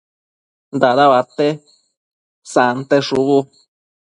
dada uate sante shubu